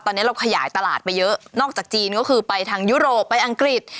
ตอนนี้เราขยายตลาดไปเยอะนอกจากจีนก็คือไปทางยุโรปไปอังกฤษ